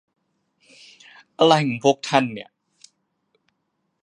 อะไรของพวกท่านเนี่ย